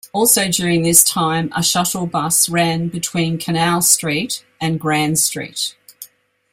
Also during this time, a shuttle bus ran between Canal Street and Grand Street.